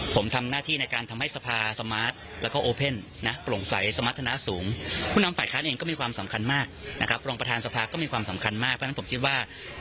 ใครไปตามเรื่องรัฐบาลน่ะ